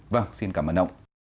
vâng xin cảm ơn ông